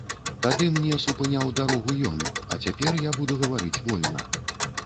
Тады мне супыняў дарогу ён, а цяпер я буду гаварыць вольна.